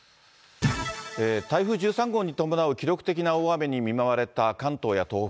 台風１３号に伴う記録的な大雨に見舞われた関東や東北。